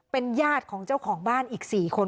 เป็นญาติของเจ้าของบ้านอีก๔คน